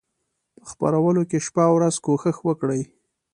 په خپرولو کې شپه او ورځ کوښښ وکړي.